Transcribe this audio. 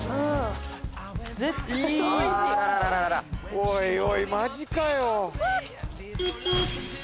おいおいマジかよ。